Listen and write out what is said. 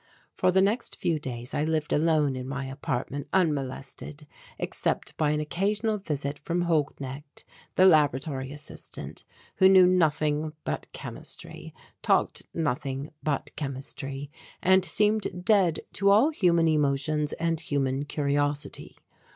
For the next few days I lived alone in my apartment unmolested except by an occasional visit from Holknecht, the laboratory assistant, who knew nothing but chemistry, talked nothing but chemistry, and seemed dead to all human emotions and human curiosity.